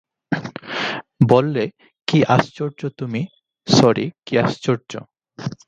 বললে, কী আশ্চর্য তুমি সরি, কী আশ্চর্য।